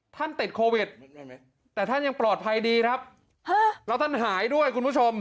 ท่านติดโควิดแต่ท่านยังปลอดภัยดีครับแล้วท่านหายด้วยคุณผู้ชม